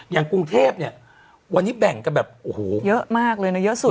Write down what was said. อย่างกรุงเทพเนี่ยวันนี้แบ่งกันแบบโอ้โหเยอะมากเลยนะเยอะสุด